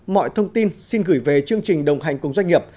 mọi thông tin xin gửi về chương trình đồng hành cùng doanh nghiệp